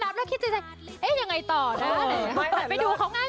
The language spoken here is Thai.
กับเพลงที่มีชื่อว่ากี่รอบก็ได้